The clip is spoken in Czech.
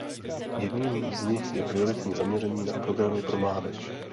Jedním z nich je prioritní zaměření na programy pro mládež.